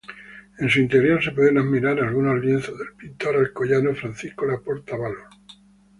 En su interior se pueden admirar algunos lienzos del pintor alcoyano Francisco Laporta Valor.